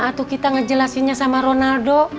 atau kita ngejelasinnya sama ronaldo